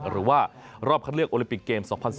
หรือว่ารอบคัดเลือกโอลิปิกเกม๒๐๑๘